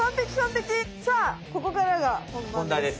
さあここからがほんばんです。